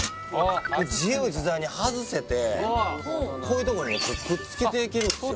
自由自在に外せてこういうとこにくっつけていけるっすよ